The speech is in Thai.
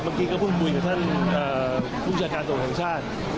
เมื่อกี้ก็พูดบุญกับท่านผู้จัดการตัวของชาติ